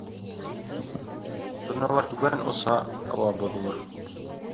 Торналар түбән осһа, һауа боҙолор.